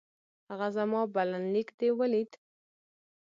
هغه زما بلنليک دې ولېد؟